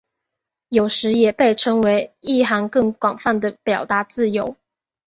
有时也被称为意涵更广泛的表达自由。